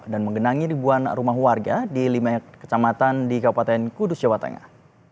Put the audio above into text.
dan menggenangi ribuan rumah warga di lima kecamatan di kabupaten kudus jawa tengah